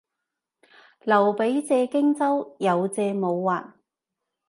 劉備借荊州，有借冇還